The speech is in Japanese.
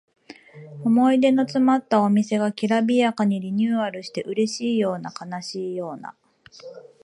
思い出のつまったお店がきらびやかにリニューアルしてうれしいような悲しいような